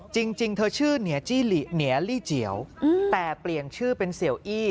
จริงเธอชื่อเหนียรี่เจี๋ยวแต่เปลี่ยนชื่อเป็นเสี่ยวอี้